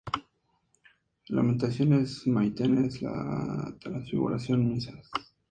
Religiosas: "Dúo de las siete palabras", "Lamentaciones", "Maitines de la transfiguración", Misas, Miserere, Oficios.